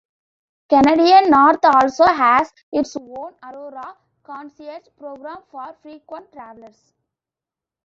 Canadian North also has its own "Aurora Concierge" program for frequent travellers.